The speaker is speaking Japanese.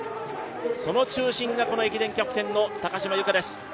その中心がこの駅伝キャプテンの高島由香です。